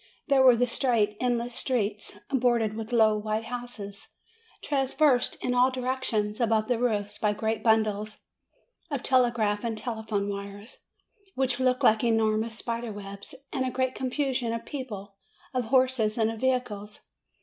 There were the straight, endless streets, bordered with low white houses, traversed in all directions above the roofs by great bundles of telegraph and telephone wires, which looked like enormous spiders' webs; and a great con fusion of people, of horses, and of vehicles.